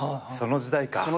その時代か。